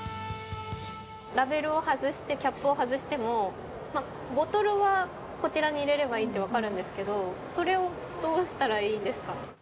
ラベルを外してキャップを外しても、ボトルはこちらに入れればいいって分かるんですけど、それをどうしたらいいんですか？